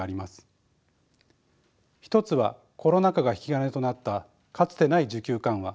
一つはコロナ禍が引き金となったかつてない需給緩和